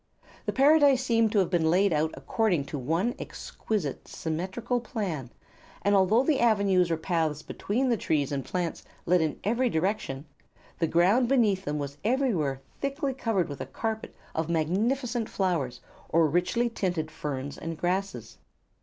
The Paradise seemed to have been laid out according to one exquisite, symmetrical plan, and although the avenues or paths between the trees and plants led in every direction, the ground beneath them was everywhere thickly covered with a carpet of magnificent flowers or richly tinted ferns and grasses.